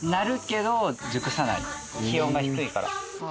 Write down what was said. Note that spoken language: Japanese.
気温が低いから。